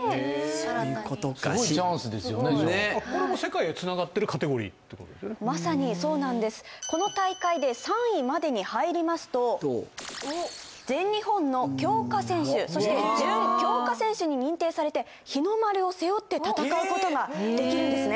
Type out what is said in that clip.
じゃあこれもまさにそうなんですこの大会で３位までに入りますと全日本の強化選手そして準強化選手に認定されて日の丸を背負って戦うことができるんですね